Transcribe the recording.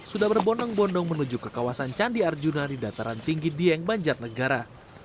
sudah berbondong bondong menuju ke kawasan candi arjuna di dataran tinggi dieng banjarnegara